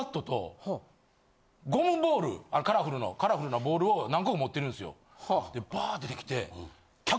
カラフルなボールを何個も持ってるんですよ。でバーッ出てきて。